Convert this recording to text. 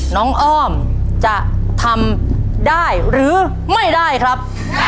อ้อมจะทำได้หรือไม่ได้ครับ